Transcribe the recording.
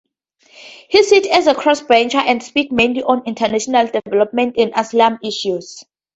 He sits as a crossbencher and speaks mainly on international development and asylum issues.